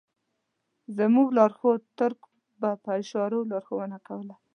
زموږ لارښود تُرک به په اشارو لارښوونه کوله.